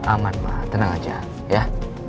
aman ma tenang aja